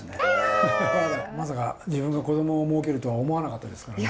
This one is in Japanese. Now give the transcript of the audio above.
まさか自分が子供をもうけるとは思わなかったですからね。